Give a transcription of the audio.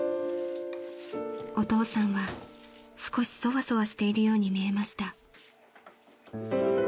［お父さんは少しそわそわしているように見えました］